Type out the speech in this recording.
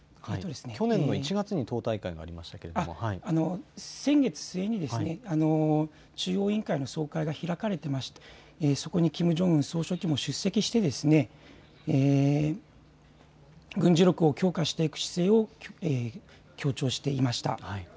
去年の１月に党大会がありましたけれども先月末に中央委員会の総会が開かれていましてそこにキム・ジョンウン総書記も出席して軍事力を強化していく姿勢を強調していました。